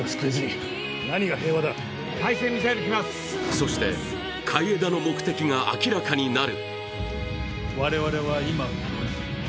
そして海江田の目的が明らかになる。